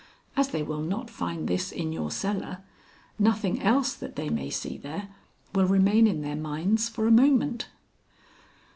As they will not find this in your cellar, nothing else that they may see there will remain in their minds for a moment."